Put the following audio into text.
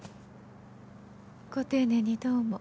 ご丁寧にどうも。